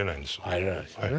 入れないですよね。